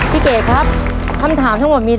พี่เกค่า